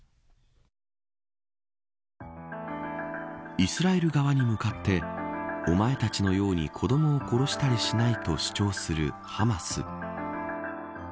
イスラエル側に向かっておまえたちのように子どもを殺したりしないと主張するハマス。